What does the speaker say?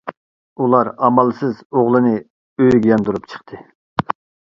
ئۇلار ئامالسىز ئوغلىنى ئۆيگە ياندۇرۇپ چىقتى.